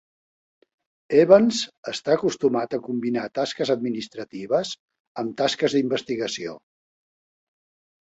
Evans està acostumat a combinar tasques administratives amb tasques d'investigació.